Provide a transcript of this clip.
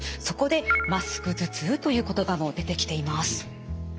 そこでマスク頭痛という言葉も出てきています。